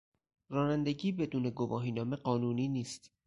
رانندگی بدون گواهینامه قانونی نیست.